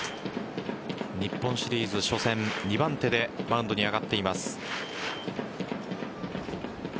日本シリーズ初戦２番手でマウンドに上がっています。